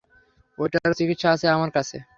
ঐটারও চিকিৎসা আছে আমার কাছে।